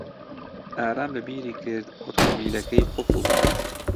ئارام لەبیری کرد ئۆتۆمۆبیلەکەی قوفڵ بدات.